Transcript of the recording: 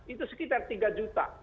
itu sekitar tiga juta